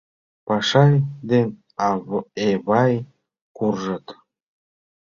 Пашай ден Эвай куржыт.